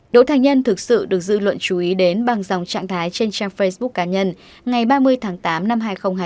đỗ thành nhân thực sự được dư luận chú ý đến bằng dòng trạng thái trên trang facebook cá nhân ngày ba mươi tháng tám năm hai nghìn hai mươi ba